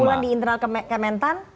pengumpulan di internal kementan